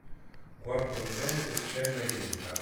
Cuor contento il ciel l'aiuta.